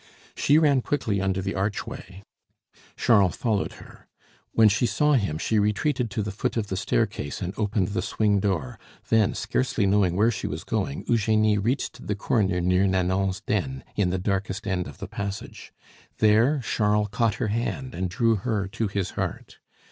She ran quickly under the archway. Charles followed her. When she saw him, she retreated to the foot of the staircase and opened the swing door; then, scarcely knowing where she was going, Eugenie reached the corner near Nanon's den, in the darkest end of the passage. There Charles caught her hand and drew her to his heart.